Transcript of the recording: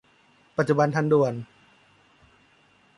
ปัจจุบันทันด่วน